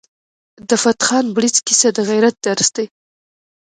د فتح خان بړیڅ کیسه د غیرت درس دی.